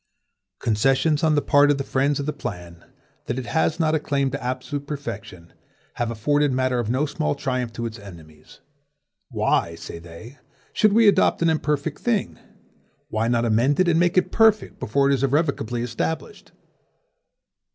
Concessions on the part of the friends of the plan, that it has not a claim to absolute perfection, have afforded matter of no small triumph to its enemies. "Why," say they, "should we adopt an imperfect thing? Why not amend it and make it perfect before it is irrevocably established?"